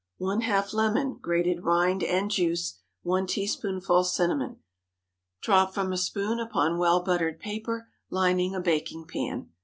½ lemon, grated rind and juice. 1 teaspoonful cinnamon. Drop from a spoon upon well buttered paper, lining a baking pan.